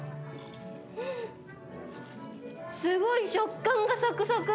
すごい食感がサクサク。